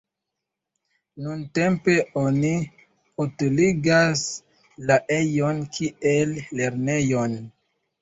Nuntempe oni utiligas la ejon kiel lernejon.